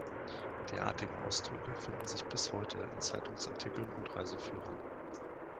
Derartige Ausdrücke finden sich bis heute in Zeitungsartikeln und Reiseführern.